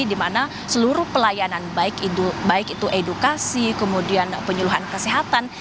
dimana seluruh pelayanan baik itu edukasi kemudian penyeluhan kesehatan